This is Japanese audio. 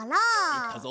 いったぞ。